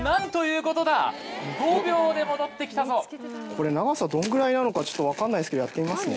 これ長さどのぐらいなのか分かんないんですけどやってみますね。